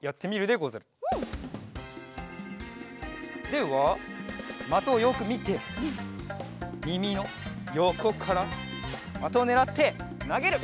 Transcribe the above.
ではまとをよくみてみみのよこからまとをねらってなげる！